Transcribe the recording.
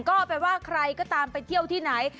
ก็เป็นว่าใครก็ตามไปเที่ยวที่ไหน